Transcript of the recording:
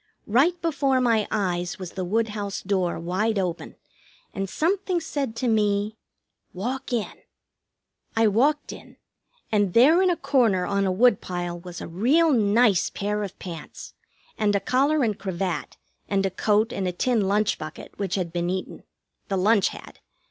Right before my eyes was the woodhouse door wide open, and something said to me: "Walk in." I walked in; and there in a corner on a woodpile was a real nice pair of pants, and a collar and cravat, and a coat and a tin lunch bucket, which had been eaten the lunch had.